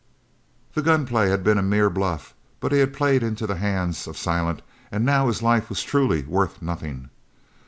The gun play had been a mere bluff, but he had played into the hands of Silent, and now his life was truly worth nothing.